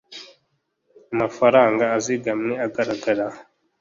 amafaranga azigamwe agaragara